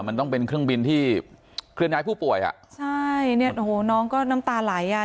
มันต้องเป็นเครื่องบินที่เคลื่อนย้ายผู้ป่วยอ่ะใช่เนี้ยโอ้โหน้องก็น้ำตาไหลอ่ะ